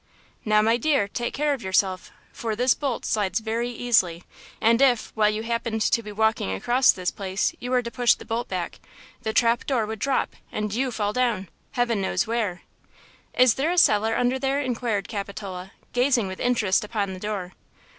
"Now, my dear, take care of yourself, for this bolt slides very easily, and if, while you happened to be walking across this place, you were to push the bolt back, the trap door would drop and you fall down–heaven knows where!" "Is there a cellar under there?" inquired Capitola, gazing with interest upon the door.